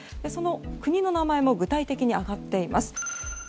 その国の名前も具体的に挙がっています。